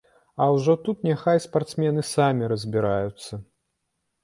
А ўжо тут няхай спартсмены самі разбіраюцца.